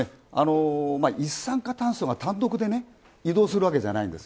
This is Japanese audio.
一酸化炭素が単独で移動するわけじゃないんです。